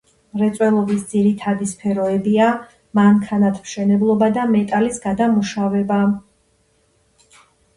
მრეწველობის ძირითადი სფეროებია: მანქანათმშენებლობა და მეტალის გადამუშავება.